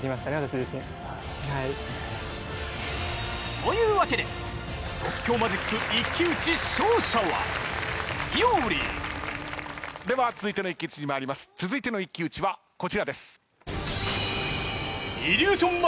［というわけで］では続いての一騎打ちに参ります続いての一騎打ちはこちらです。